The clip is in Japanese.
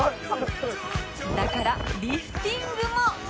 だからリフティングも